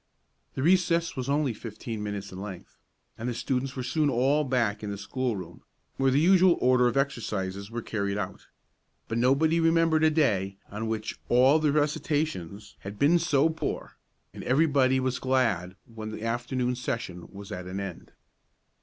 The recess was only fifteen minutes in length, and the students were soon all back in the schoolroom, where the usual order of exercises was carried out; but nobody remembered a day on which all the recitations had been so poor, and everybody was glad when the afternoon session was at an end.